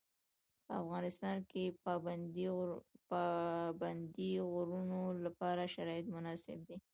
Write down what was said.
په افغانستان کې د پابندي غرونو لپاره شرایط مناسب دي.